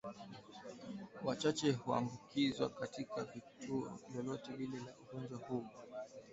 wachache huambukizwa katika tukio lolote lile la ugonjwa huu